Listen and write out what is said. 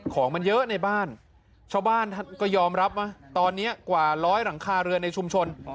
ของมันเยอะในบ้านชาวบ้านก็ยอมรับว่าตอนนี้กว่าร้อยหลังคาเรือนในชุมชน